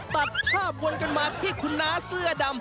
ตัดภาพวนกันมาที่คุณน้าเสื้อดำ